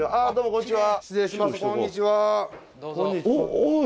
こんにちは。